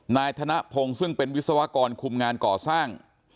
นายธนพงศ์ซึ่งเป็นวิศวกรคุมงานก่อสร้าง